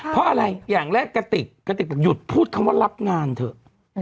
เพราะอะไรอย่างแรกกระติกยุดพูดคำว่ารับงานเถอะ